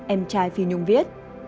em trai phi nhung viết